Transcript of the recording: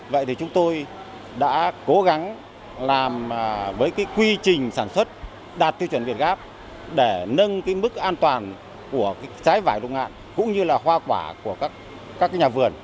vậy thì chúng tôi đã cố gắng làm với cái quy trình sản xuất đạt tiêu chuẩn việt gáp để nâng cái mức an toàn của trái vải đông hạn cũng như là hoa quả của các nhà vườn